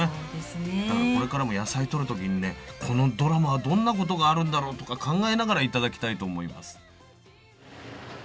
だからこれからも野菜とる時にねこのドラマはどんなことがあるんだろう？とか考えながら頂きたいと思います。